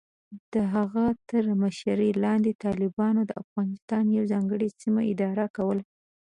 د هغه تر مشرۍ لاندې، طالبانو د افغانستان یوه ځانګړې سیمه اداره کوله.